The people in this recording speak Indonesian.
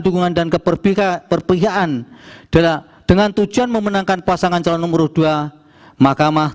dukungan dan keperpihakan dengan tujuan memenangkan pasangan calon nomor dua mahkamah